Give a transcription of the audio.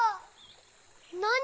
なに？